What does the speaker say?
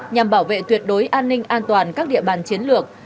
nhằm bảo vệ tuyệt đối an ninh an toàn các địa bàn chiến lược